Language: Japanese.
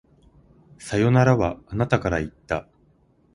さよならは、あなたから言った。